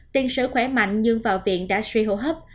tiền sử khỏe mạnh nhưng vào viện đã suy hô hấp